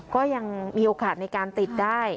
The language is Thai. ก็ยังมีโอกาสในการติดได้